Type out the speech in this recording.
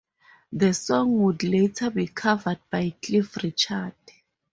The song would later be covered by Cliff Richard.